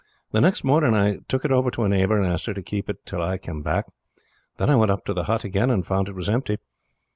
The next morning I took it over to a neighbor and asked her to keep it till I came back. Then I went up to the hut again and found it was empty.